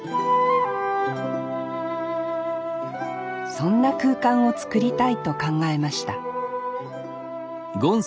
そんな空間を作りたいと考えました